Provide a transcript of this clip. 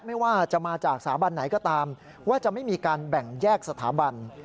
ไม่ว่าจะมาจากสถาบันไหนก็ตามว่าจะไม่มีการแบ่งแยกสถาบัน